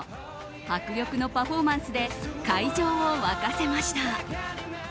迫力のパフォーマンスで会場を沸かせました。